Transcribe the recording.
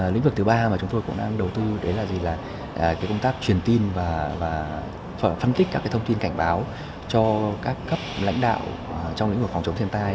lĩnh vực thứ ba mà chúng tôi cũng đang đầu tư đấy là gì là công tác truyền tin và phân tích các thông tin cảnh báo cho các cấp lãnh đạo trong lĩnh vực phòng chống thiên tai